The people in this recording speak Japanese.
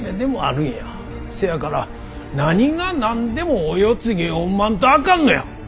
せやから何が何でもお世継ぎを産まんとあかんのや。